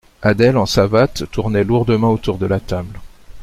Adèle, en savates, tournait lourdement autour de la table.